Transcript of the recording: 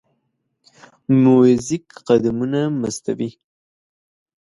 موزیک قدمونه مستوي.